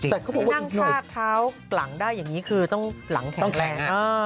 นั่งผ้าเท้ากลังได้อย่างนี้คือต้องหลังแข็งแรง